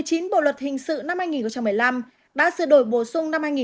hội luật hình sự năm hai nghìn một mươi năm đã sửa đổi bổ sung năm hai nghìn một mươi bảy